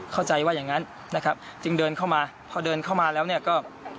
เข้าใจว่าอย่างนั้นนะครับจึงเดินเข้ามาพอเดินเข้ามาแล้วเนี่ยก็